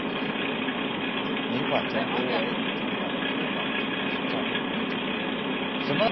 泥管藤壶为藤壶科管藤壶属下的一个种。